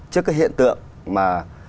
trước cái hiện tượng mà